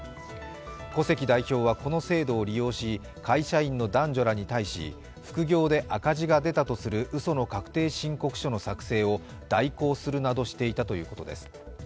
古関代表はこの制度を利用し、会社員の男女らに対し、副業で赤字が出たとするうその確定申告書の作成を代行するなどしていたということです。